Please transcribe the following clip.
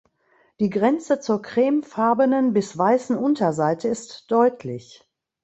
Die Grenze zur cremefarbenen bis weißen Unterseite ist deutlich.